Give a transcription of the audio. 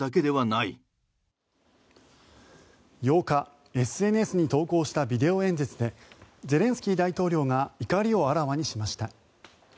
８日ＳＮＳに投稿したビデオ演説でゼレンスキー大統領が怒りをあらわにしました。